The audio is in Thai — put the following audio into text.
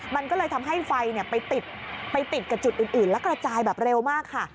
มันก็เลยทำให้ไฟไปติดกับจุดอื่นแล้วกระจายแบบเร็วมากค่ะ